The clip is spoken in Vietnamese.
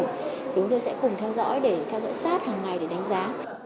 chúng tôi sẽ cùng theo dõi để theo dõi sát hàng ngày để đánh giá